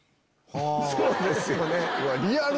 そうですよね。